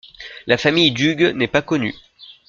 La famille d'Hugues n'est pas connue.